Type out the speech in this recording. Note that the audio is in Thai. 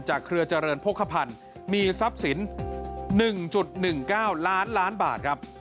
เครือเจริญโภคภัณฑ์มีทรัพย์สิน๑๑๙ล้านล้านบาทครับ